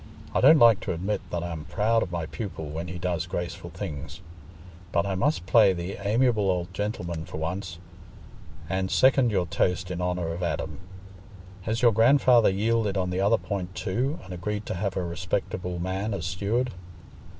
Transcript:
I don't like to admit that I'm proud of my pupil when he does graceful things. But I must play the amiable old gentleman for once, and second your toast in honour of Adam. Has your grandfather yielded on the other point too, and agreed to have a respectable man as steward?"